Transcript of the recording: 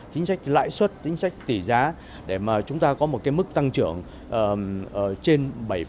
chính sách lãi xuất chính sách tỷ giá để chúng ta có một mức tăng trưởng trên bảy